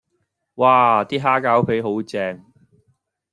嘩 ！D 蝦餃皮好正